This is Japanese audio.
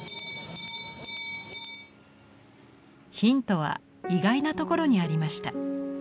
ヒントは意外なところにありました。